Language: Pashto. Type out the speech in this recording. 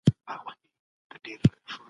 د هغه په خونه کې نه برېښنا وه او نه پکې.